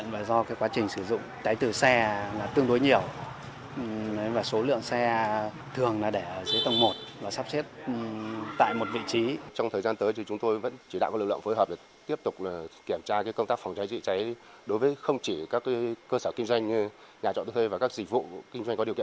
và số lượng xe thường là để ở dưới tầng một và sắp xếp tại một vị trí